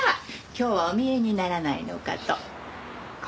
今日はお見えにならないのかと。